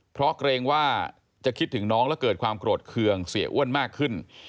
เพราะเกรงว่าจะคิดถึงน้องและเกิดความโกรธเคืองเสียอ้วนมากขึ้น